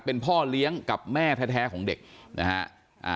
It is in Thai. เป็นพ่อเลี้ยงกับแม่แท้ของเด็กนะฮะ